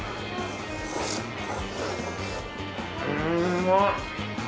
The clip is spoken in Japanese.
うまい！